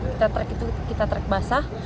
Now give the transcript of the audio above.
kita trek itu kita trek basah